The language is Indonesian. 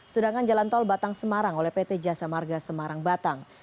sedangkan jalan tol batang semarang oleh pt jasa marga semarang batang